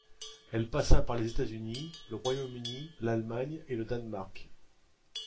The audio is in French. Elle passa par les États-Unis, le Royaume-Uni, l'Allemagne et le Danemark.